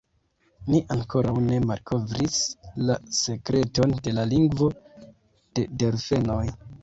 Ni ankoraŭ ne malkovris la sekreton de la lingvo de delfenoj.